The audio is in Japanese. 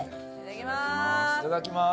いただきます！